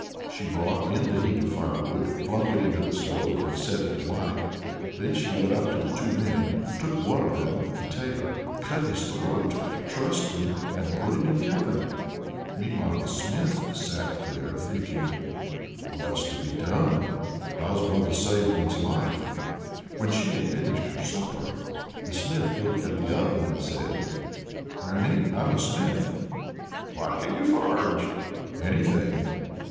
She brought in the heap of firewood, flung it into the stove, and set it alight. Then she went up to the two men, took one of them the Tailor cut his throat, trussed him, and put him in the oven. Meantime the Smith sat there, thinking, "What's to be done? how's one to save one's life?" When she had finished her supper, the Smith looked at the oven and said: "Granny, I'm a smith." "What can you forge?" "Anything."